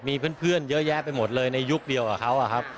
มีเพื่อนเยอะแยะไปหมดเลยในยุคเดียวกับเขาอะครับ